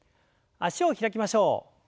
脚を開きましょう。